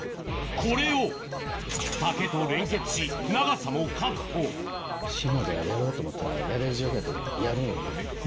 これを竹と連結し長さも確保島ではやろうと思ったらやれる状況やったらやるんよね。